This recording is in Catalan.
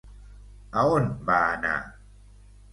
A on va anar?